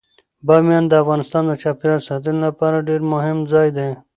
بامیان د افغانستان د چاپیریال ساتنې لپاره ډیر مهم ځای دی.